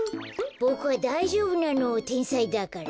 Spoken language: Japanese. ボクはだいじょうぶなのてんさいだから。